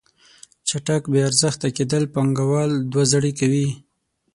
چټک بې ارزښته کیدل پانګوال دوه زړې کوي.